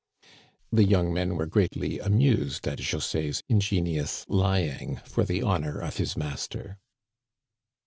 The young men were greatly amused at Jose's in genious lying for the honor of his master.